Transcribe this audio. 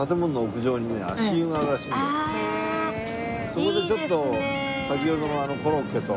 そこでちょっと先ほどのコロッケと。